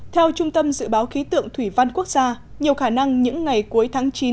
theo trung tâm dự báo khí tượng thủy văn quốc gia nhiều khả năng những ngày cuối tháng chín